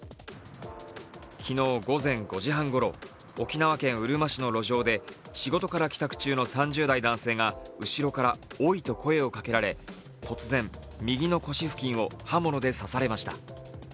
昨日午前５時半ごろ、沖縄県うるま市の路上で仕事から帰宅中の３０代男性が後ろから「おい」と声をかけられ突然、右の腰付近を刃物で刺されました。